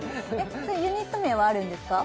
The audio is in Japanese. ユニット名はあるんですか？